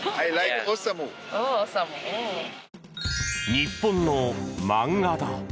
日本の漫画だ。